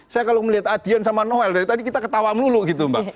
saya kalau melihat adian sama noel dari tadi kita ketawa melulu gitu mbak